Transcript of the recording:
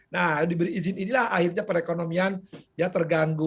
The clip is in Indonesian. nah diberi izin inilah akhirnya perekonomian ya terganggu